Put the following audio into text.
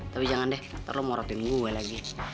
tapi jangan deh nanti lu morotin gue lagi